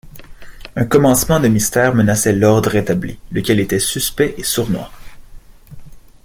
Un commencement de mystère menaçait « l’ordre établi », lequel était suspect et sournois.